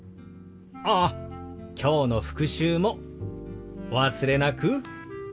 ああきょうの復習もお忘れなく。